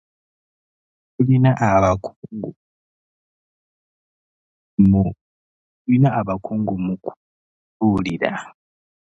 tulina abakugu mu kubuulirira.